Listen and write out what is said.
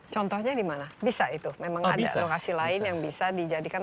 contohnya di mana bisa itu memang ada lokasi lain yang bisa dijadikan